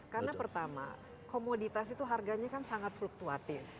karena pertama komoditas itu harganya kan sangat fluktuatis